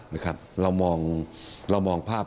เรามองภาพรวมของประเทศ